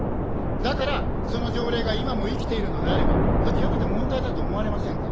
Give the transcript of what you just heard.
だからその条例が今も生きているのであれば、極めて問題だと思われませんか。